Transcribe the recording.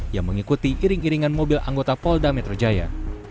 yang mengikuti iring iringan mobil anggota polda metro jaya